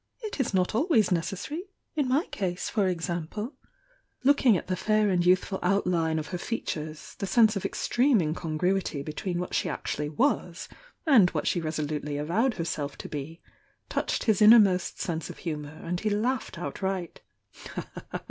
"It is not always necessary. In my case, for ex ToS'at the fair and youthful outline of her features, the sense of extreme mcongruity betw^n what she actually was and what she resolutely avowed herself to be touched his mnermost sense of humour, and he laughed outright